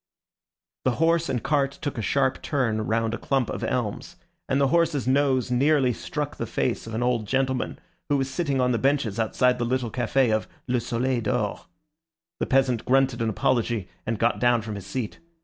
The horse and cart took a sharp turn round a clump of elms, and the horse's nose nearly struck the face of an old gentleman who was sitting on the benches outside the little café of "Le Soleil d'Or." The peasant grunted an apology, and got down from his seat.